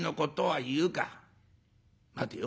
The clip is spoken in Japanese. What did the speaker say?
待てよ。